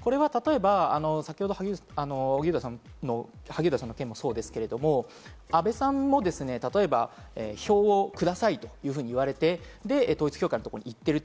これは例えば萩生田さんの件もそうですけど、安倍さんも例えば票をくださいというふうに言われて統一教会のところに行っている。